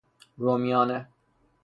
رومیانه